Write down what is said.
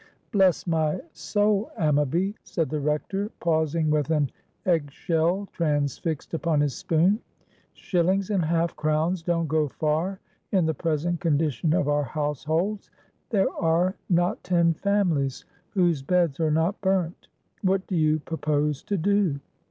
"Bless my soul, Ammaby," said the Rector, pausing with an eggshell transfixed upon his spoon, "shillings and half crowns don't go far in the present condition of our households. There are not ten families whose beds are not burnt. What do you propose to do?"